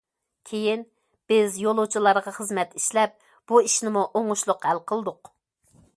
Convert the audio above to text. كېيىن، بىز يولۇچىلارغا خىزمەت ئىشلەپ بۇ ئىشنىمۇ ئوڭۇشلۇق ھەل قىلدۇق.